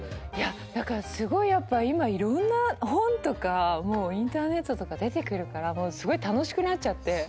だからやっぱ今いろんな本とかインターネットとか出てくるからすごい楽しくなっちゃって。